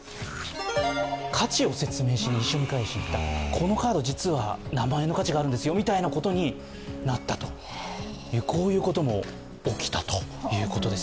このカード、実は何万円の価値がありますよみたいなことになったということも起きたということです。